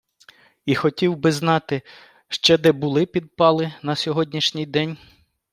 І хотів би знати, ще де були підпали на сьогоднішній день?